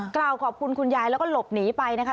กล่าวขอบคุณคุณยายแล้วก็หลบหนีไปนะคะ